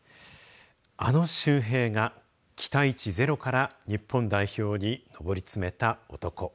あの柊平が期待値ゼロから日本代表にのぼりつめた男。